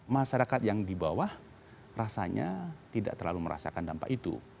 masyarakat yang di bawah rasanya tidak terlalu merasakan dampak itu